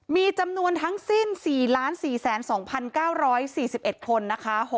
มีจำนวนทั้งสิ้น๔๔๒๙๔๑คนนะคะ